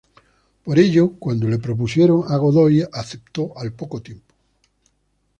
Por ello cuando le propusieron a Godoy aceptó al poco tiempo.